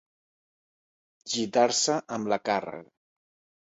Gitar-se amb la càrrega.